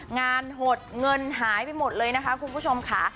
หดเงินหายไปหมดเลยนะคะคุณผู้ชมค่ะ